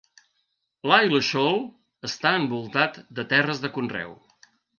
Lilleshall està envoltat de terres de conreu.